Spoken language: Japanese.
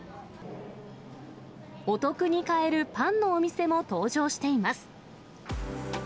お得に買えるパンのお店も登場しています。